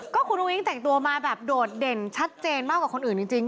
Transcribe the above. ก็คุณอุ้งแต่งตัวมาแบบโดดเด่นชัดเจนมากกว่าคนอื่นจริง